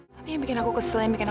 sampai jumpa di video selanjutnya